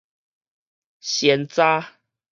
山楂